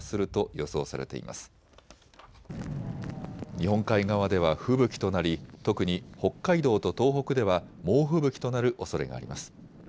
日本海側では吹雪となり特に北海道と東北では猛吹雪となるおそれがあります。